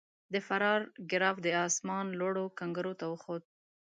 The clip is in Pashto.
د فرار ګراف د اسمان لوړو کنګرو ته وخوت.